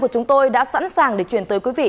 chúng tôi đã sẵn sàng để chuyển tới quý vị